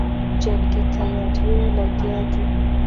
جنګي تیاریو لګیا دی.